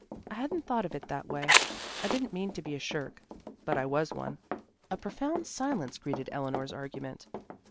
I hadn't thought of it in that way; I didn't mean to be a shirk, but I was one." A profound silence greeted Eleanor's argument.